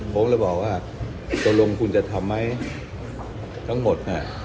ผมเลยบอกว่าตกลงคุณจะทำไหมทั้งหมดน่ะ